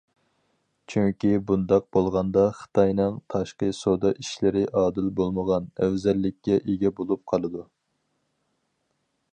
چۈنكى بۇنداق بولغاندا خىتاينىڭ تاشقى سودا ئىشلىرى ئادىل بولمىغان ئەۋزەللىككە ئىگە بولۇپ قالىدۇ.